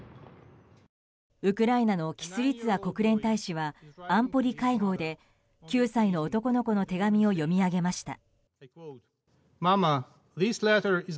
ウクライナのキスリツァ国連大使は安保理会合で、９歳の男の子の手紙を読み上げました。